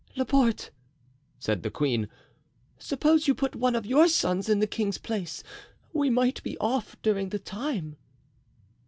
"Laporte," said the queen, "suppose you put one of your sons in the king's place; we might be off during the time."